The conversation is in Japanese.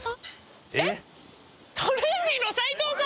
トレンディの斎藤さん！